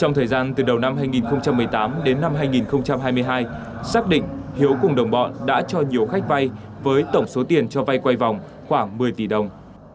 trong thời gian từ đầu năm hai nghìn một mươi tám đến năm hai nghìn hai mươi hai xác định hiếu cùng đồng bọn đã cho nhiều khách vay với tổng số tiền cho vay quay vòng khoảng một mươi tỷ đồng